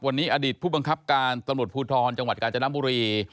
วันนี้อดีตผู้บังคับการตำรวจภูทรจังหวัดกาญจนบุรี